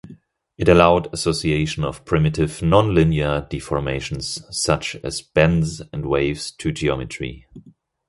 It allowed association of primitive non-linear deformations such as bends and waves to geometry.